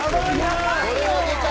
これはでかい！